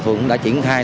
phường cũng đã triển khai